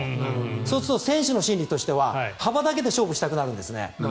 そうすると選手の心理としては幅だけで勝負したくなるんですね。